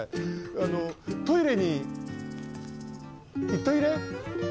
あのトイレにいっトイレ。